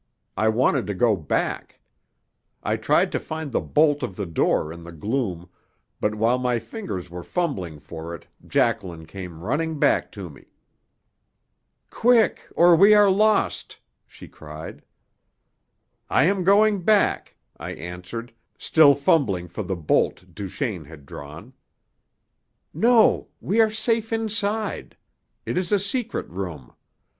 I wanted to go back. I tried to find the bolt of the door in the gloom, but while my fingers were fumbling for it Jacqueline came running back to me. "Quick, or we are lost!" she cried. "I am going back," I answered, still fumbling for the holt Duchaine had drawn. "No! We are safe inside. It is a secret room.